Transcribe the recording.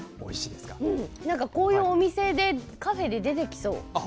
こういうお店でカフェで出てきそう。